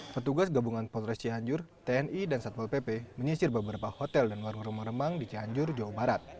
petugas gabungan polres cianjur tni dan satpol pp menyisir beberapa hotel dan warung remang remang di cianjur jawa barat